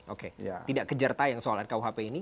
oke tidak kejartai soal rkuhp ini